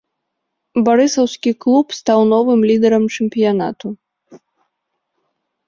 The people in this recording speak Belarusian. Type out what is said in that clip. Барысаўскі клуб стаў новым лідарам чэмпіянату.